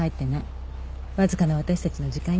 わずかな私たちの時間よ。